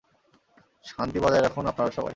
শান্তি বজায় রাখুন আপনারা সবাই।